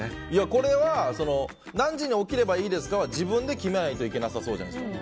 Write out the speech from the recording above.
これは、何時に起きればいいですかは自分で決めないといけなさそうじゃないですか。